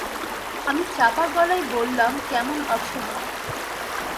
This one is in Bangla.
আমি চাপা গলায় বললাম, কেমন আছ মা?